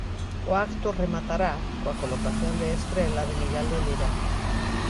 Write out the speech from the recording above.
O acto rematará coa colocación de estrela de Miguel de Lira.